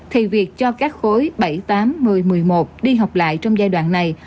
thì việc cho các khối bảy tám một mươi một mươi một đi học lại trong giai đoạn này